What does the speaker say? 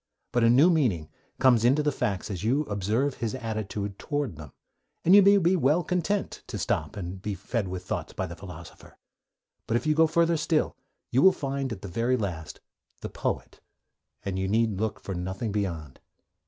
But a new meaning comes into the facts as you observe his attitude towards them, and you may be well content to stop and be fed with thoughts by the philosopher. But if you go further still you will find, at the very last, the poet, and you need look for nothing beyond.